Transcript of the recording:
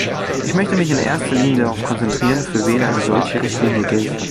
Ich möchte mich in erster Linie darauf konzentrieren, für wen eine solche Richtlinie gilt.